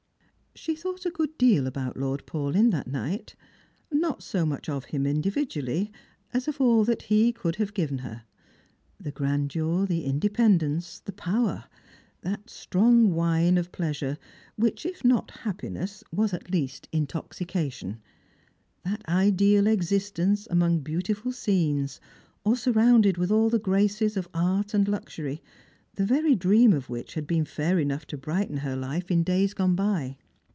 She thought a good deal about Lord Paulyn that night — not 30 much of him individually as of all that he could have given her — the grandeur, the independence, the power; that strong wine of pleasure which, if not happiness, was at least intoxication ; that ideal existence among beautiful scenes, or surrounded with all the graces of art and luxury, the very dream of which had been fair enough to brighten her life in days gone by.